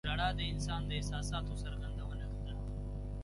• ژړا د انسان د احساساتو څرګندونه ده.